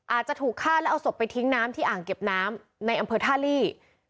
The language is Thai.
อาจจะถูกฆ่าแล้วเอาศพไปทิ้งน้ำที่อ่างเก็บน้ำในอำเภอท่าลี่